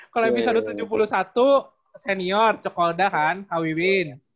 kalau episode tujuh puluh satu senior cekolda kan kawiwin